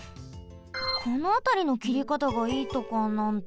このあたりのきりかたがいいとかなんとか。